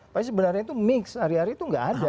tapi sebenarnya itu mix hari hari itu nggak ada